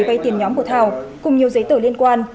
vay tiền nhóm của thảo cùng nhiều giấy tờ liên quan